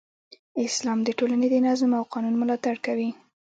اسلام د ټولنې د نظم او قانون ملاتړ کوي.